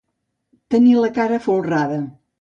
Tenir la cara folrada.